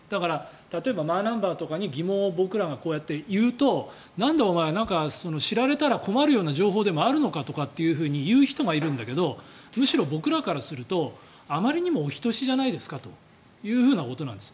例えばマイナンバーとかに疑問を僕らがこうやって言うとなんだお前知られたら困るような情報でもあるのかって言うような人がいるんだけどむしろ僕らからするとあまりにもお人よしじゃないですかということなんです。